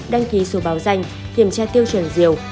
đăng ký số báo danh kiểm tra tiêu chuẩn diều